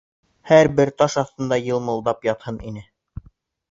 Һәр бер таш аҫтында йымылдап ятһын ине...